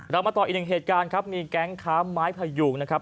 มาต่ออีกหนึ่งเหตุการณ์ครับมีแก๊งค้าไม้พยุงนะครับ